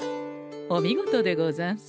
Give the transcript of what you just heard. お見事でござんす。